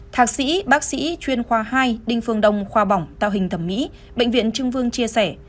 thạc sĩ bác sĩ chuyên khoa hai đinh phương đông khoa bỏng tạo hình thẩm mỹ bệnh viện trưng vương chia sẻ